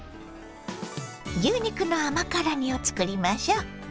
牛肉の甘辛煮を作りましょ。